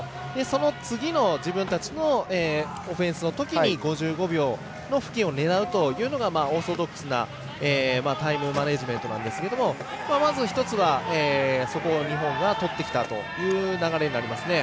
そのあと自分たちのオフェンスのときに５５秒を狙うのがオーソドックスなタイムマネージメントなんですがまず１つは、そこを日本がとってきたという流れになります。